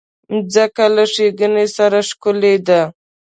مځکه له ښېګڼې سره ښکلې ده.